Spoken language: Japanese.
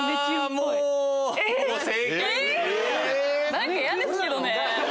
何か嫌ですよね。